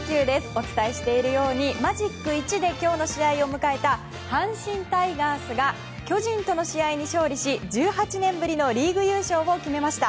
お伝えしているようにマジック１で今日の試合を迎えた阪神タイガースが巨人との試合に勝利し１８年ぶりのリーグ優勝を決めました。